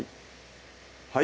はい